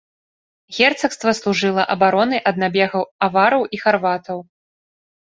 Герцагства служыла абаронай ад набегаў авараў і харватаў.